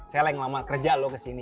saya yang lama kerja loh kesini